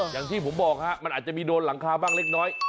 อย่างที่ผมบอกฮะมันอาจจะมีโดนหลังคาบ้างเล็กน้อย